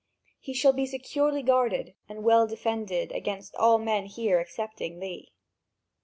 He shall be securely guarded and well defended against all men here excepting thee.